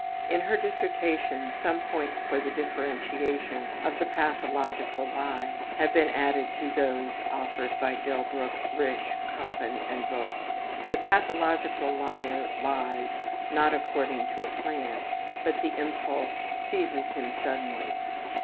In her dissertation some points for the differentiation of the pathological lie have been added to those offered by Delbruck, Risch, Koppen, and Vogt. The pathological liar lies, not according to a plan, but the impulse seizes him suddenly.